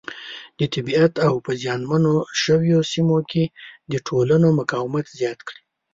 د طبیعیت او په زیان منو شویو سیمو کې د ټولنو مقاومت زیات کړي.